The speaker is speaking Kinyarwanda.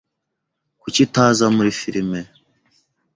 Kuki utaza muri firime?